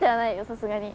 さすがに。